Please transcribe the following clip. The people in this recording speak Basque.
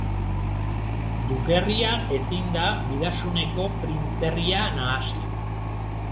Dukerria ezin da Bidaxuneko printzerria nahasi.